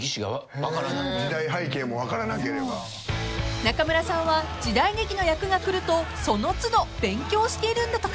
［中村さんは時代劇の役がくるとその都度勉強しているんだとか］